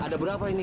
ada berapa ini